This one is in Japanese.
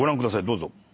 どうぞ。